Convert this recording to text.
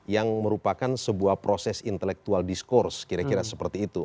yang merupakan sebuah proses intellectual diskurs kira kira seperti itu